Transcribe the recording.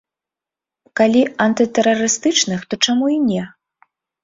Калі антытэрарыстычных, то чаму і не?